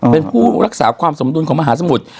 เป็นผู้รักษาความสมดุลของมหาสมุทร